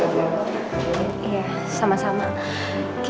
air spek sangat segar